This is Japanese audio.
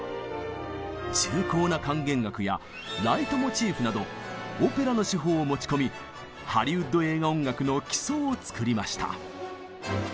重厚な管弦楽や「ライトモチーフ」などオペラの手法を持ち込みハリウッド映画音楽の基礎を作りました。